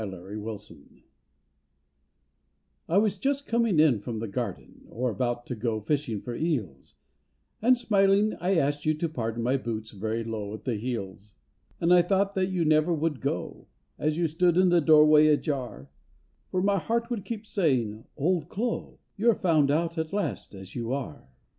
OLD CLO' I WAS just coming in from the garden, Or about to go fishing for eels, And, smiling, I asked you to pardon My boots very low at the heels. And I thought that you never would go, As you stood in the doorway ajar, For my heart would keep saying, " Old Clo*, You're found out at last as you are."